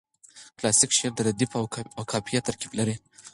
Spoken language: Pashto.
کلاسیک شعر د ردیف او قافیه ترکیب لري.